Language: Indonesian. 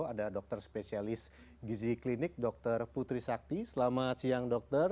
ada dokter spesialis gizi klinik dr putri sakti selamat siang dokter